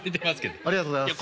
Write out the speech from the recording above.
ありがとうございます。